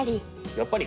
やっぱり？